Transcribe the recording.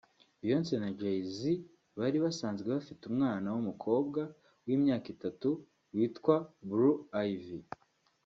Beyoncé na Jay Z bari basanzwe bafite umwana w’umukobwa w’imyaka itanu witwa Blue Ivy